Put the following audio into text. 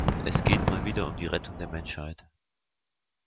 Es geht mal wieder um die Rettung der Menschheit.